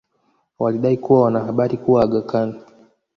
walidai kuwa wana habari kuwa Aga Khan